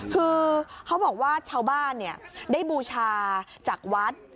คือเขาบอกว่าชาวบ้านได้บูชาจากวัด